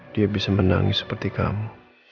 dia bisa menangis seperti kamu